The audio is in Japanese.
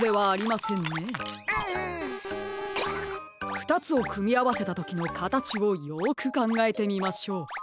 ふたつをくみあわせたときのかたちをよくかんがえてみましょう。